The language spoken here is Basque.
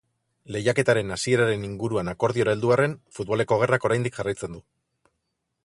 Lehiaketaren hasieraren inguruan akordiora heldu arren, futboleko gerrak oraindik jarraitzen du.